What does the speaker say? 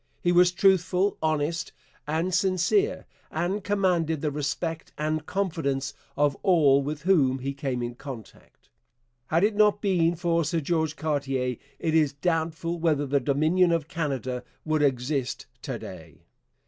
He was truthful, honest, and sincere, and commanded the respect and confidence of all with whom he came in contact. Had it not been for Sir George Cartier, it is doubtful whether the Dominion of Canada would exist to day.